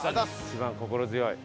一番心強い。